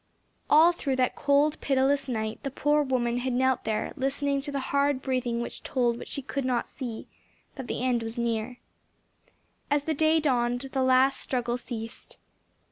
All through that cold pitiless night the poor woman had knelt there listening to the hard breathing which told what she could not see,—that the end was near. As the day dawned the last struggle ceased.